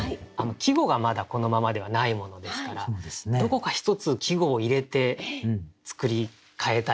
季語がまだこのままではないものですからどこか１つ季語を入れて作り変えたいなと。